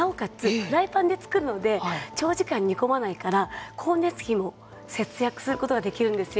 フライパンで作るので長時間煮込まないから光熱費も節約することができるんですよ。